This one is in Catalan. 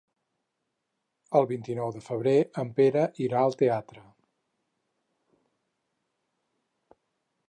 El vint-i-nou de febrer en Pere irà al teatre.